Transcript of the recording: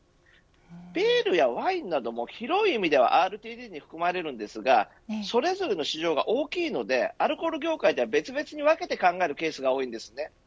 ビールやワインも広い意味ではＲＴＤに含まれますがそれぞれの市場が大きいのでアルコール業界では別々に分けて考えるケースが多いです。